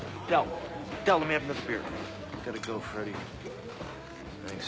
じゃあな。